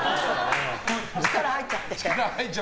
力が入っちゃって。